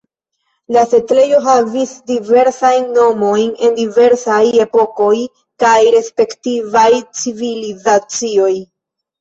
La setlejo havis diversajn nomojn en la diversaj epokoj kaj respektivaj civilizacioj.